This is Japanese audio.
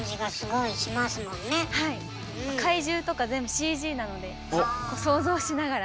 怪獣とか全部ＣＧなので想像しながら。